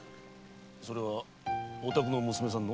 それはおたくの娘さんの？